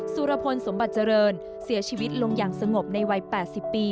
สุรพลสมบัติเจริญเสียชีวิตลงอย่างสงบในวัย๘๐ปี